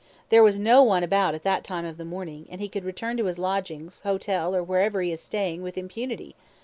There was no one about at that time of the morning, and he could return to his lodgings, hotel, or wherever he is staying, with impunity.